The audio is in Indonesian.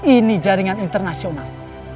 ini jaringan internasional